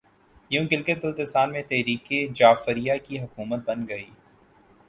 یوں گلگت بلتستان میں تحریک جعفریہ کی حکومت بن گئی